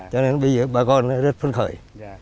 cho nên bây giờ bà con rất phân khởi